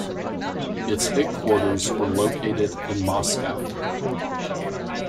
Its headquarters were located in Moscow.